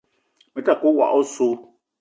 Me ta ke woko oso.